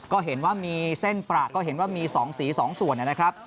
ก็เห็นว่ามีเส้นประก็เห็นว่ามี๒สี๒ส่วนนะครับ